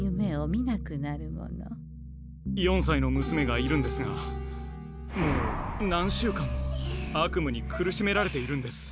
４歳のむすめがいるんですがもう何週間も悪夢に苦しめられているんです。